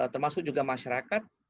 termasuk juga masyarakat